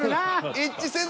一致せず。